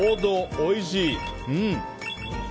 おいしい！